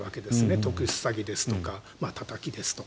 特殊詐欺ですとかたたきですとか。